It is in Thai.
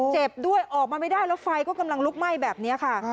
เจ็บด้วยออกมาไม่ได้แล้วไฟก็กำลังลุกไหม้แบบนี้ค่ะ